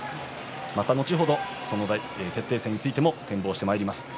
また後ほど決定戦についても展望してまいります。